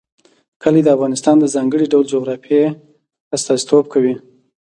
کلي د افغانستان د ځانګړي ډول جغرافیه استازیتوب کوي.